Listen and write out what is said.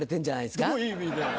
どういう意味だよ！